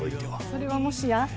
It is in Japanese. それはもしや？